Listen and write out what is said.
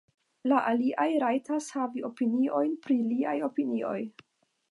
La aliaj rajtas havi opiniojn pri liaj opinioj.